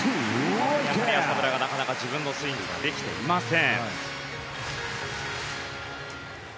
浅村がなかなか自分のスイングができていません。